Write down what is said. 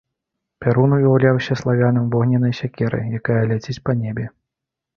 Пярун уяўляўся славянам вогненнай сякерай, якая ляціць па небе.